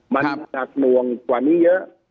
มันอาจมวงกว่านี้เยอะ